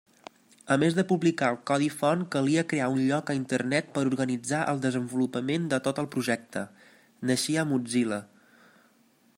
A més de publicar el codi font calia crear un lloc a Internet per organitzar el desenvolupament de tot el projecte: naixia Mozilla.